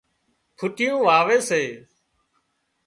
ڦُوٽيون واوي سي